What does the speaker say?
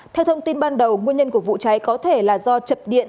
theo thông tin ban đầu nguyên nhân của vụ cháy có thể là do chập điện